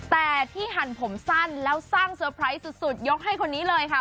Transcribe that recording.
แต่ที่หั่นผมสั้นแล้วสร้างเซอร์ไพรส์สุดยกให้คนนี้เลยค่ะ